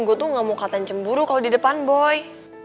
gue tuh gak mau katen cemburu kalau di depan boy